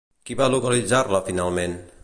Qui va localitzar-la finalment?